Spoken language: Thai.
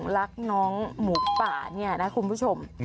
รักน้องหมูป่าเนี่ยนะคุณผู้ชม